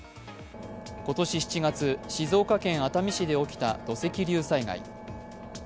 今年７月、静岡県熱海市で起きた土石流災害。